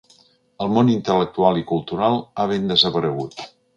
El món intel·lectual i cultural ha ben desaparegut.